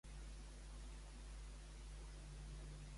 De quina forma va aconseguir salvar-se Egipi?